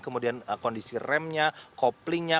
kemudian kondisi remnya koplingnya